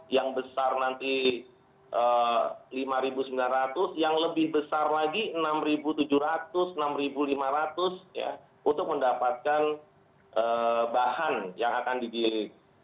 yang besar nanti rp lima sembilan ratus yang lebih besar lagi rp enam tujuh ratus rp enam lima ratus ya untuk mendapatkan bahan yang akan digiling